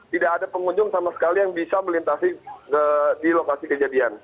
tidak ada pengunjung sama sekali yang bisa melintasi di lokasi kejadian